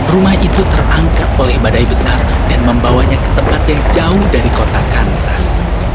rumah itu terangkat oleh badai besar dan membawanya ke tempat yang jauh dari kota kansas